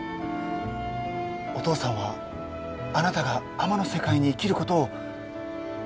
お父さんはあなたが海女の世界に生きることを願っています。